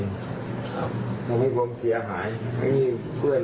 จะให้ผมเสียหายพี่ผมก็รอยอยู่